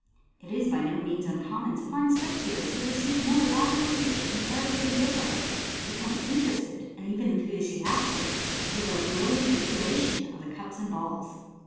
It is by no means uncommon to find spectators who have received more elaborate feats with comparative indifference, become interested, and even enthusiastic, over a brilliant manipulation of the cups and balls.